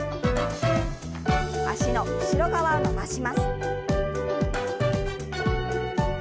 脚の後ろ側を伸ばします。